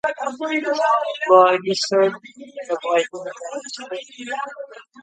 The Town of Boyd is served by the Boyd Independent School District.